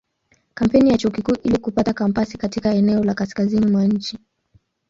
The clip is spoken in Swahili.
Kampeni ya Chuo Kikuu ili kupata kampasi katika eneo la kaskazini mwa nchi.